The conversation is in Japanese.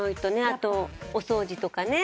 あとお掃除とかね。